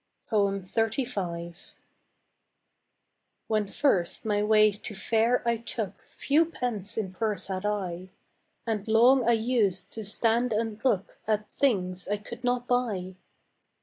XXXV. When first my way to fair I took Few pence in purse had I, And long I used to stand and look At things I could not buy.